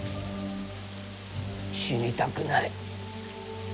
死にたくない。